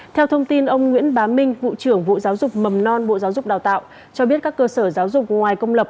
theo thông tin ông nguyễn bá minh vụ trưởng vụ giáo dục mầm non bộ giáo dục đào tạo cho biết các cơ sở giáo dục ngoài công lập